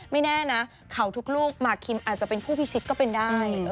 แน่นะเขาทุกลูกหมากคิมอาจจะเป็นผู้พิชิตก็เป็นได้